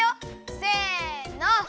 せの！